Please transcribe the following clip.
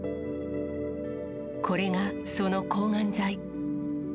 これがその抗がん剤。